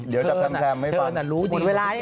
เดี๋ยวจะแท้มให้ฟัง